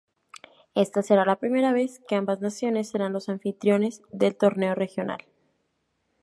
Esta será la primera vez que ambas naciones serán los anfitriones del torneo regional.